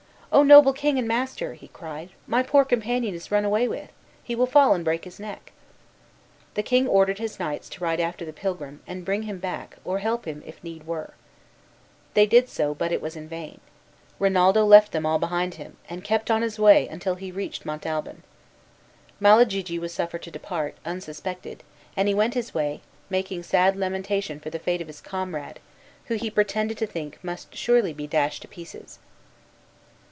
"O noble king and master," he cried, "my poor companion is run away with; he will fall and break his neck." The king ordered his knights to ride after the pilgrim, and bring him back, or help him if need were. They did so, but it was in vain. Rinaldo left them all behind him, and kept on his way till he reached Montalban. Malagigi was suffered to depart, unsuspected, and he went his way, making sad lamentation for the fate of his comrade, who he pretended to think must surely be dashed to pieces.